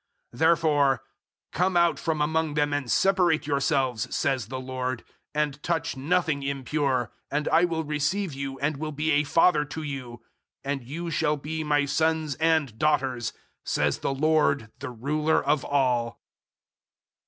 006:017 Therefore, "`Come out from among them and separate yourselves,' says the Lord, `and touch nothing impure; and I will receive you, and will be a Father to you, 006:018 and you shall be My sons and daughters,' says the Lord the Ruler of all."